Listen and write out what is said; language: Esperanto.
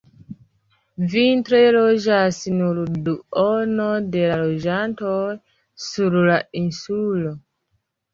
Vintre loĝas nur duono de la loĝantoj sur la insulo.